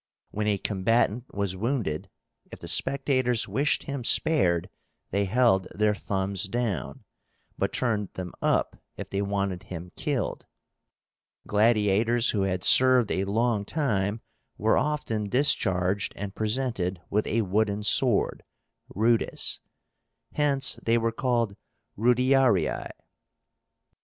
When a combatant was wounded, if the spectators wished him spared, they held their thumbs down, but turned them up if they wanted him killed. Gladiators who had served a long time, were often discharged and presented with a wooden sword (rudis), Hence they were called rudiarii.